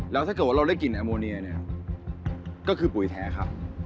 แล้วถ้าเกิดว่าเราได้กลิ่นแอลโมเนียเนี่ยก็คือปุ๋ยแท้ครับ